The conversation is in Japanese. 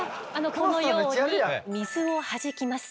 このように水をはじきます。